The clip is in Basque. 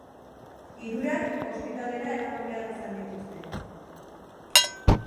Hirurak ospitalera eraman behar izan dituzte.